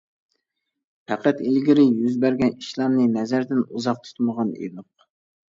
پەقەت ئىلگىرى يۈز بەرگەن ئىشلارنى نەزەردىن ئۇزاق تۇتمىغان ئىدۇق.